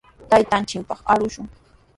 Taytanchikpaq arushun.